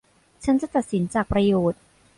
ฉันจะตัดสินจากประโยชน์